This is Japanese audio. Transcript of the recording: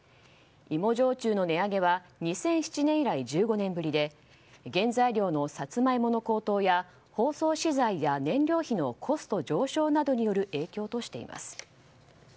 芋焼酎の値上げは２００７年以来１５年ぶりで原材料のサツマイモの高騰や包装資材や燃料費のコスト上昇などによる影響としています。